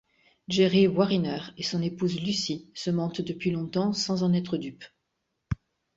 Jerry Warriner et son épouse Lucy se mentent depuis longtemps sans en être dupes.